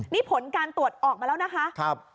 นี่ผลการตรวจออกมาแล้วนะคะ